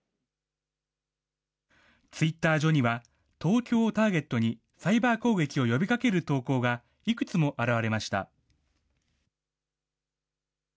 ツイッター上には、東京をターゲットにサイバー攻撃を呼びかける投稿がいくつも現れました。